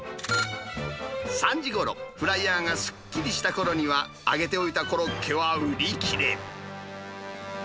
３時ごろ、フライヤーがすっきりしたころには、揚げておいたコロッケは売り切れ。